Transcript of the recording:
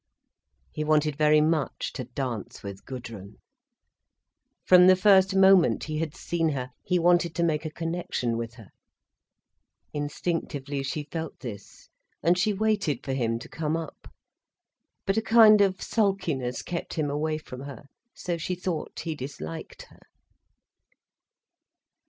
He wanted very much to dance with Gudrun. From the first moment he had seen her, he wanted to make a connection with her. Instinctively she felt this, and she waited for him to come up. But a kind of sulkiness kept him away from her, so she thought he disliked her.